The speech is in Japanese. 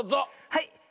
はい。